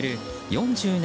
４７